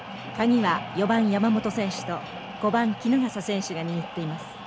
鍵は４番山本選手と５番衣笠選手が握っています。